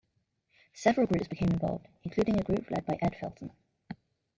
Several groups became involved, including a group led by Ed Felten.